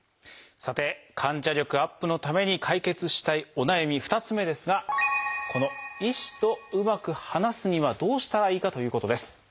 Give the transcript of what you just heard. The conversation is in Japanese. さて患者力アップのために解決したいお悩み２つ目ですがこの「医師とうまく話すにはどうしたらいいか？」ということです。